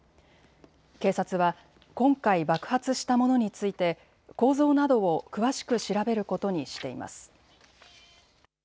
警察は今回爆発したものについて構造などを詳しく調べることにしています。